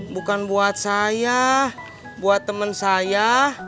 bukan buat saya buat teman saya